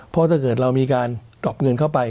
เพราะถ้าเกิดเรามีการปรับเงินเข้าไป